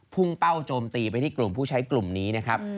พุ่งเป้าโจมตีไปที่กลุ่มผู้ใช้กลุ่มนี้นะครับ